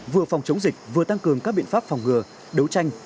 vừa phòng chống dịch vừa tăng cường các biện pháp phòng ngừa đấu tranh